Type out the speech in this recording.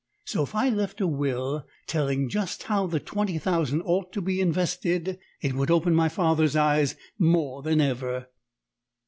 So if I left a will telling just how the twenty thousand ought to be invested, it would open my father's eyes more than ever."